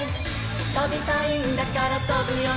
「とびたいんだからとぶよね」